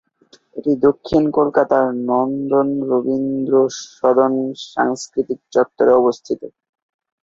এটি দক্ষিণ কলকাতার নন্দন-রবীন্দ্রসদন সাংস্কৃতিক চত্বরে অবস্থিত।